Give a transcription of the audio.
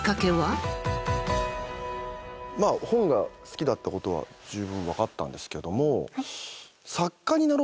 まあ本が好きだったことはじゅうぶん分かったんですけども。